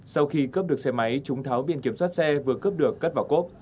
sau khi cướp được xe máy chúng tháo biển kiểm soát xe vừa cướp được cất vào cốp